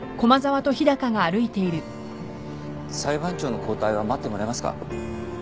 裁判長の交代は待ってもらえますか。